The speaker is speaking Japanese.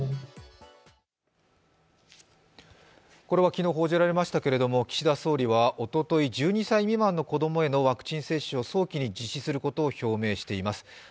これは昨日報じられましたけれども、岸田総理はおととい１２歳未満への子供へのワクチン接種を早期に実施することを表明しています。